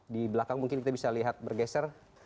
di belakang mungkin kita bisa lihat bergeser